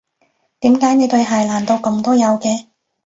點解你對鞋爛到噉都有嘅？